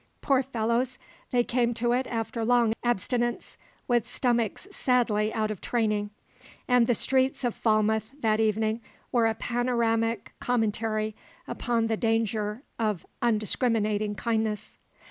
Poor fellows, they came to it after long abstinence, with stomachs sadly out of training; and the streets of Falmouth that evening were a panoramic commentary upon the danger of undiscriminating kindness.